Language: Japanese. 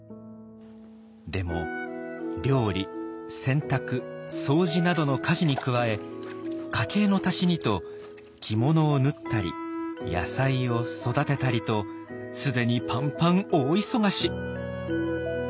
でも料理洗濯掃除などの家事に加え家計の足しにと着物を縫ったり野菜を育てたりと既にパンパン大忙し。